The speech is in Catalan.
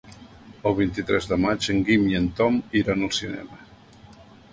El vint-i-tres de maig en Guim i en Tom iran al cinema.